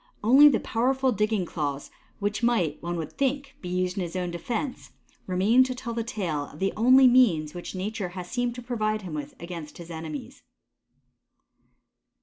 Only the powerful digging claws which might, one would think, be used in his own defense, remain to tell the tale of the only means which nature has seemed to provide him with against his enemies.